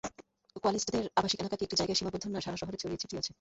কোয়ালিস্টদের আবাসিক এলাকা কি একটি জায়গায় সীমাবদ্ধ না সারা শহরে ছড়িয়ে ছিটিয়ে আছে?